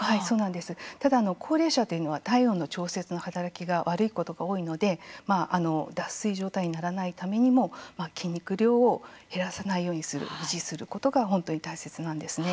ただ高齢者というのは体温調節の働きが悪いことが多いので脱水状態にならないためにも筋肉量を減らさないようにする維持することが本当に大切ですね。